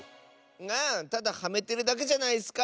あただはめてるだけじゃないッスか！